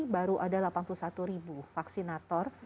baru ada delapan puluh satu ribu vaksinator